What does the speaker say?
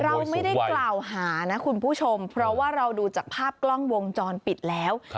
เราไม่ได้กล่าวหานะคุณผู้ชมเพราะว่าเราดูจากภาพกล้องวงจรปิดแล้ว